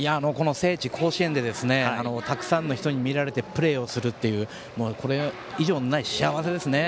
聖地・甲子園でたくさんの人に見られてプレーをするというこれ以上ない幸せですね